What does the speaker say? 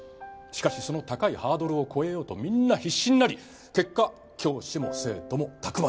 しかしその高いハードルを越えようとみんな必死になり結果教師も生徒もたくましくなった。